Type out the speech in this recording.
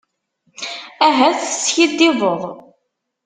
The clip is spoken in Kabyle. Ahat teskiddibeḍ.